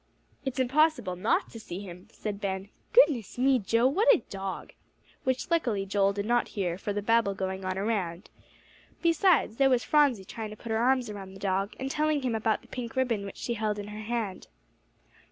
"It's impossible not to see him," said Ben. "Goodness me, Joe, what a dog!" which luckily Joel did not hear for the babel going on around. Besides, there was Phronsie trying to put her arms around the dog, and telling him about the pink ribbon which she held in her hand.